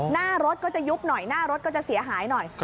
หน้ารถก็จะยุบหน่อยหน้ารถก็จะเสียหายหน่อย